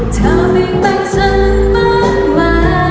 เธอไม่แปลกฉันมากมาย